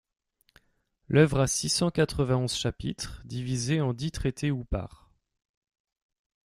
L’œuvre a six-cent quatre-vingt-onze chapitres, divisés en dix traités ou parts.